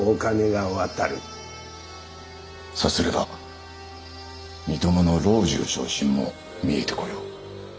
さすれば身共の老中昇進も見えてこよう。